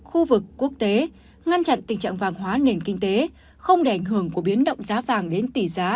khu vực quốc tế ngăn chặn tình trạng vàng hóa nền kinh tế không để ảnh hưởng của biến động giá vàng đến tỷ giá